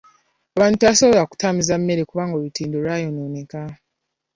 Abantu tebaasobola kutambuza mmere kubanga olutindo lwayonooneka.